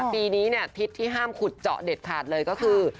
ปีนี้ทิศที่ห้ามขุดเจาะเด็ดขาดเลยก็คือ